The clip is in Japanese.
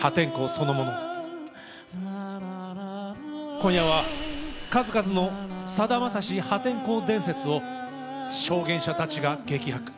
今夜は数々の「さだまさし破天荒伝説」を証言者たちが激白！